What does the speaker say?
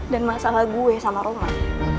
dan masalah gue sama roman